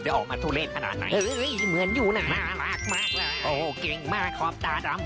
ให้เขาแมวแมว